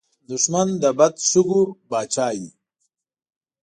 دښمن د بد شګو پاچا وي